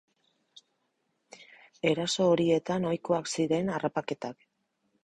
Eraso horietan ohikoak ziren harrapaketak.